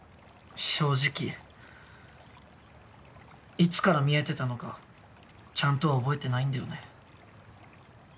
正直いつから見えてたのかちゃんとは覚えてないんだよね。